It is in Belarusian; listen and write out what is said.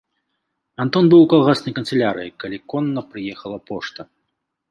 Антон быў у калгаснай канцылярыі, калі конна прыехала пошта.